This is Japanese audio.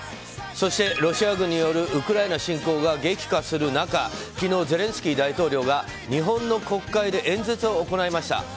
そして、ロシア軍によるウクライナ侵攻が激化する中昨日、ゼレンスキー大統領が日本の国会で演説を行いました。